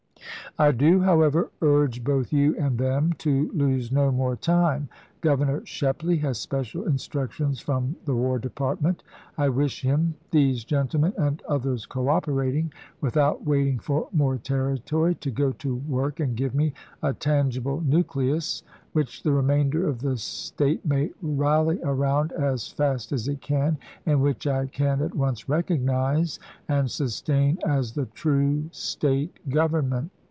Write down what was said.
I do, however, urge both you and them to lose no more time. Governor Shepley has special instructions from the "War Department. I wish him, — these gentle men and others cooperating, — without waiting for more territory, to go to work and give me a tangible nucleus which the remainder of the State may rally around as fast as it can, and which I can at once recognize and sus tain as the true State government.